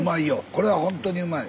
これはほんとにうまい。